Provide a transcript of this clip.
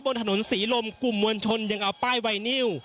บนถนนศรีลมกลุ่มมวลชนยังเอาป้ายไวนิว